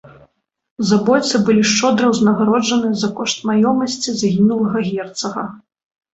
Забойцы былі шчодра ўзнагароджаны за кошт маёмасці загінулага герцага.